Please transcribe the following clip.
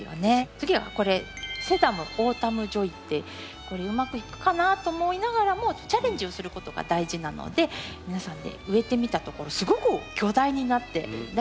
次はこれセダム‘オータムジョイ’ってこれうまくいくかなと思いながらもチャレンジをすることが大事なので皆さんで植えてみたところすごく巨大になって大好きな植物になりました。